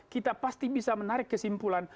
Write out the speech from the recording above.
kita pasti bisa menarik kesimpulan